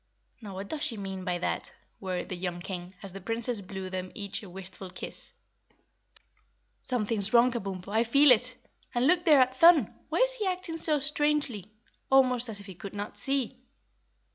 "Now what does she mean by that?" worried the young King, as the Princess blew them each a wistful kiss. "Something's wrong, Kabumpo, I feel it! And look there at Thun! Why is he acting so strangely? Almost as if he could not see."